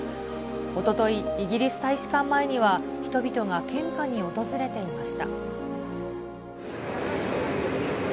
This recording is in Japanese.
おととい、イギリス大使館前には人々が献花に訪れていました。